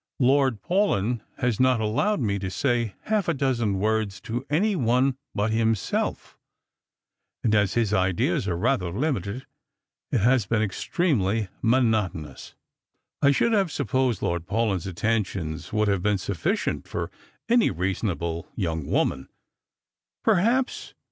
Lord Paulyn has not allowed me to say half a dozen words to any one but himself; and as his ideas are rather limited, it has been extremely monotonous." " I should have supposeii Lord Paulyn's attentions would have been sufficient for any reasonable young woman." *' Perhaps.